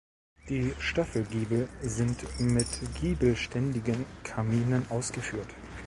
Die Staffelgiebel sind mit giebelständigen Kaminen ausgeführt.